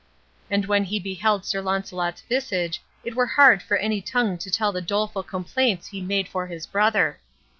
And when he beheld Sir Launcelot's visage it were hard for any tongue to tell the doleful complaints he made for his brother.